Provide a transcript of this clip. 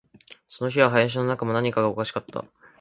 その日は林の中も、何かがおかしかった